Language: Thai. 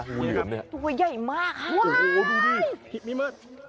งูเหลือมนี่ตัวใหญ่มากว้าวโอ้โฮดูนี่มีเม็ด